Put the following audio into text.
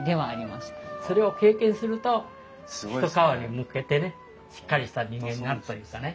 それを経験すると一皮むけてねしっかりした人間になるというかね。